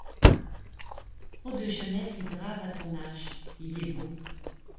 Trop de jeunesse est grave à ton âge ; il est bon